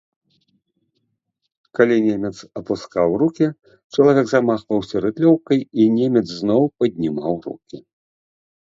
Калі немец апускаў рукі, чалавек замахваўся рыдлёўкай і немец зноў паднімаў рукі.